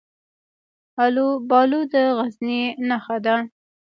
الوبالو د غزني نښه ده.